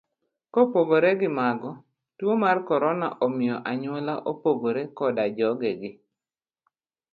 Kopogore gi mago, tuo mar korona omiyo anyuola opogore koda jogegi.